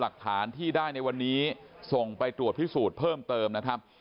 หลักฐานที่ได้ในวันนี้ส่งไปตรวจพิสูจน์เพิ่มเติมนะครับ